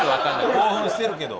興奮してるけど。